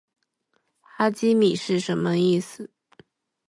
哈基米是什么意思？